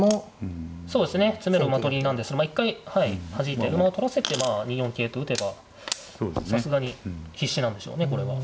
そうですね詰めろ馬取りなんでまあ一回はじいて馬を取らせてまあ２四桂と打てばさすがに必至なんでしょうねこれは。